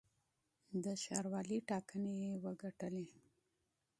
د ښاروالۍ ټاکنې یې وګټلې.